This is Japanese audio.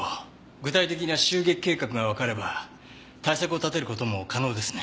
具体的な襲撃計画がわかれば対策を立てる事も可能ですね。